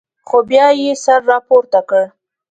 خو بیا یې سر راپورته کړ.